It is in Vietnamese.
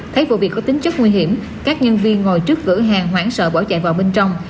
thấy vụ việc có tính chất nguy hiểm các nhân viên ngồi trước cửa hàng hoảng sợ bỏ chạy vào bên trong